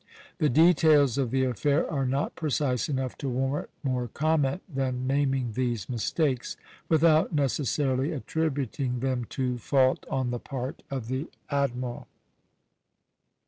The details of the affair are not precise enough to warrant more comment than naming these mistakes, without necessarily attributing them to fault on the part of the admiral.